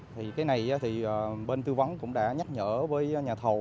thì cái này thì bên tư vấn cũng đã nhắc nhở với nhà thầu